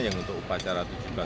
yang untuk upacara